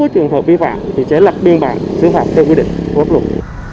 thì sẽ lật biên bản xứ hạc theo quy định của quốc lục